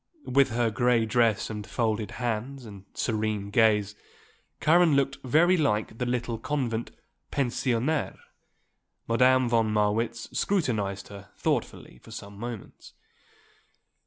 With her grey dress and folded hands and serene gaze Karen looked very like the little convent pensionnaire. Madame von Marwitz scrutinized her thoughtfully for some moments.